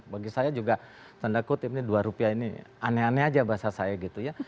bagi saya juga tanda kutip ini dua rupiah ini aneh aneh aja bahasa saya gitu ya